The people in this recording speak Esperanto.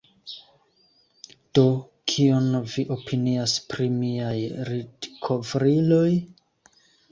Do, kion vi opinias pri miaj litkovriloj?